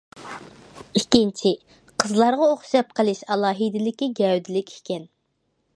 ئىككىنچى، قىزلارغا ئوخشاپ قېلىش ئالاھىدىلىكى گەۋدىلىك ئىكەن.